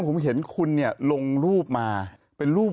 แล้วคุณพิมพ์ว่าอะไร